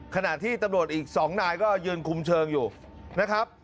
ขณะที่ตำรวจอีก๒นายก็ยืนคุมเชิงอยู่นะครับ